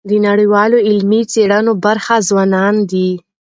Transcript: د نړیوالو علمي څيړنو برخه ځوانان دي.